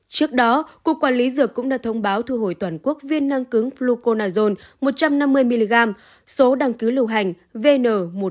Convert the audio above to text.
trước đó cục quản lý dược cũng đã thông báo thu hồi toàn quốc viên năng cứng fluconazone một trăm năm mươi mg số đăng cứ lưu hành vn một triệu sáu trăm bốn mươi bảy nghìn bốn trăm một mươi ba